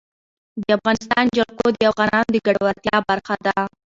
د افغانستان جلکو د افغانانو د ګټورتیا برخه ده.